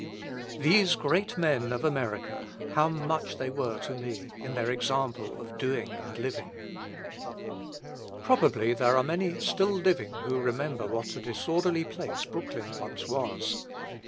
These great men of America, how much they were to me, in their example of doing and living! Probably there are many still living who remember what a disorderly place Brooklyn once was.